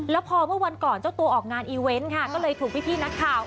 แล้วพอเมื่อวันก่อนเจ้าตัวออกงานอีเวนต์ค่ะก็เลยถูกพี่นักข่าว